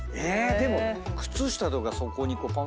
でも。